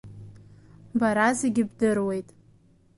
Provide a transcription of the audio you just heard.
Бара зегьы бдыруеит…